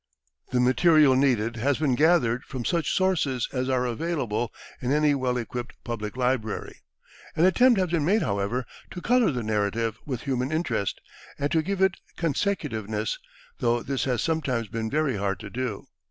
The material needed has been gathered from such sources as are available in any well equipped public library. An attempt has been made, however, to color the narrative with human interest, and to give it consecutiveness, though this has sometimes been very hard to do.